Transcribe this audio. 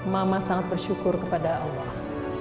mama sangat bersyukur kepada allah